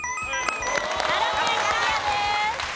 奈良県クリアです。